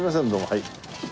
はい。